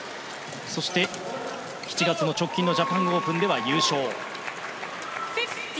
そして、７月の直近のジャパンオープンでは優勝。